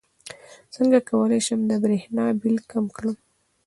څنګه کولی شم د بریښنا بل کم کړم